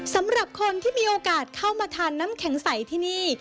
สำหรับคนที่มีโอกาสเข้ามาทานน้ำแข็งใสที่นี่